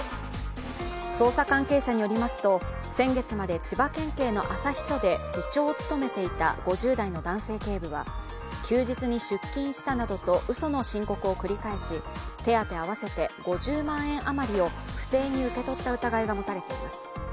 捜査関係者によりますと、先月まで千葉県警の旭署で次長を務めていた５０代の男性警部は休日に出勤したなどとうその申告を繰り返し、手当合わせて５０万円余りを不正に受け取った疑いが持たれています。